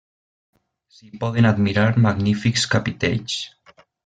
S'hi poden admirar magnífics capitells.